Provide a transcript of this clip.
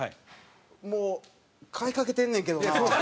もう買いかけてんねんけどな。